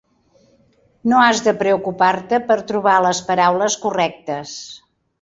No has de preocupar-te per trobar les paraules correctes.